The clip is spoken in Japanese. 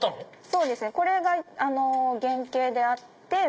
そうですねこれが原型であって。